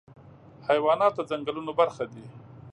حیوانات د ځنګلونو برخه دي.